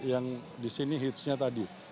yang di sini hits nya tadi